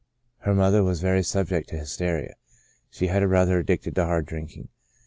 Her mother was very subject to hysteria ; she had a brother addicted to hard drinking.